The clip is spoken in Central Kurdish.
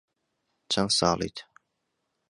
چەند ساڵیت؟